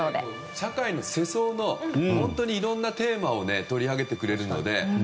社会の世相のいろんなテーマを取り上げてくれるんでね